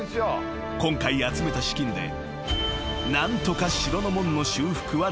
［今回集めた資金で何とか城の門の修復はできそうだ］